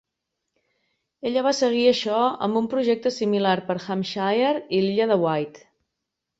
Ella va seguir això amb un projecte similar per Hampshire i l'Illa de Wight.